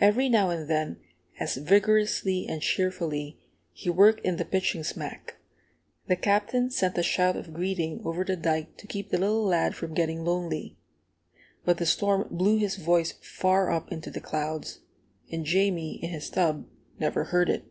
Every now and then, as vigorously and cheerfully he worked in the pitching smack, the Captain sent a shout of greeting over the dike to keep the little lad from getting lonely. But the storm blew his voice far up into the clouds, and Jamie, in his tub, never heard it.